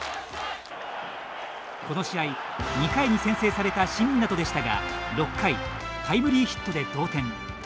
この試合２回に先制された新湊でしたが６回タイムリーヒットで同点。